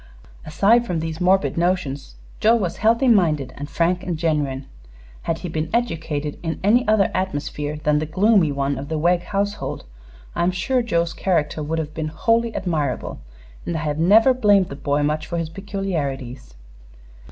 Aside from these morbid notions, Joe was healthy minded and frank and genuine. Had he been educated in any other atmosphere than the gloomy one of the Wegg household I am sure Joe's character would have been wholly admirable, and I have never blamed the boy much for his peculiarities.